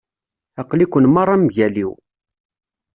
Aql-iken merra mgal-iw.